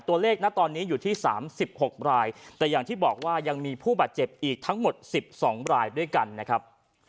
ตัวเลขนะตอนนี้อยู่ที่๓๖รายแต่อย่างที่บอกว่ายังมีผู้บาดเจ็บอีกทั้งหมด๑๒รายด้วยกันนะครับ